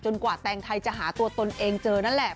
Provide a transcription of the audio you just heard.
กว่าแตงไทยจะหาตัวตนเองเจอนั่นแหละ